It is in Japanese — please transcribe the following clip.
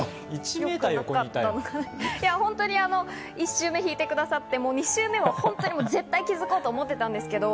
本当に１週目弾いてくださって、２週目は絶対気づこうと思ってたんですけど。